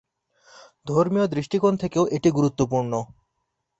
ধর্মীয় দৃষ্টিকোণ থেকেও এটি গুরুত্বপূর্ণ।